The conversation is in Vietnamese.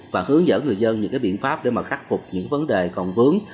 và hướng dẫn người dân những cái biện pháp để mà khắc phục những vấn đề còn vướng